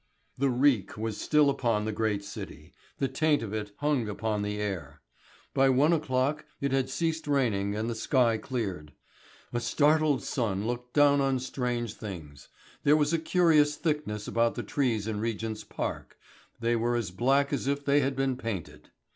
The reek was still upon the great city, the taint of it hung upon the air. By one o'clock it had ceased raining and the sky cleared. A startled sun looked down on strange things. There was a curious thickness about the trees in Regent's Park, they were as black as if they had been painted.